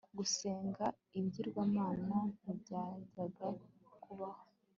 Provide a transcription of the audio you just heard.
gusenga ibigirwamana ntibyajyaga kubaho